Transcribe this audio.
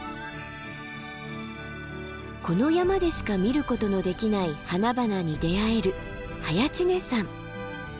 この山でしか見ることのできない花々に出会える早池峰山。